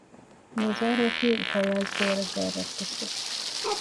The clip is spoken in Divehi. ނިޒާރު އަކީ ފަޔާޒްގެ ވަރަށް ގާތް ރަށްޓެއްސެއް